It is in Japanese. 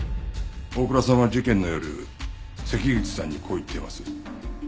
大倉さんは事件の夜関口さんにこう言っています。